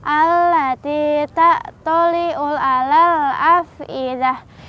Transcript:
allah tita toliul alal afidah